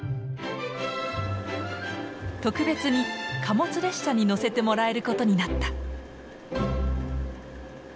特別に貨物列車に乗せてもらえることになった。